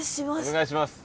お願いします。